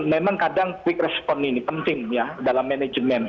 memang kadang quick respon ini penting ya dalam manajemen